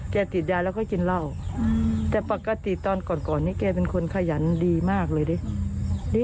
ติดยาแล้วก็กินเหล้าแต่ปกติตอนก่อนนี้แกเป็นคนขยันดีมากเลยดิ